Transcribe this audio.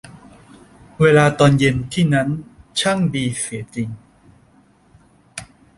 เวลาตอนเย็นที่นั่นช่างดีเสียจริง